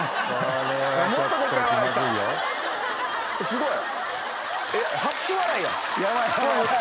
すごい。